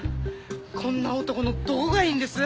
こんな男のどこがいいんです？